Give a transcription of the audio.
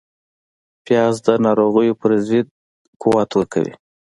پیاز د ناروغیو پر ضد قوت ورکوي